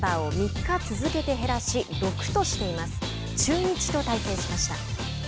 中日と対戦しました。